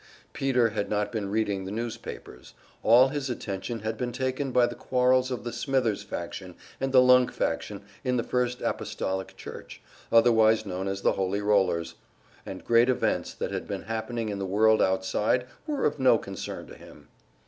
Peter had not been reading the newspapers; all his attention had been taken up by the quarrels of the Smithers faction and the Lunk faction in the First Apostolic Church, otherwise known as the Holy Rollers, and great events that had been happening in the world outside were of no concern to him.